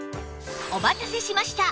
お待たせしました！